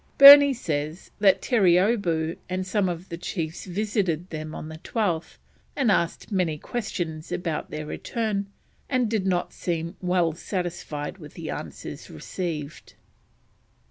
Burney says that Terreeoboo and some of the chiefs visited them on the 12th, and asked many questions about their return, and did not seem well satisfied with the answers received.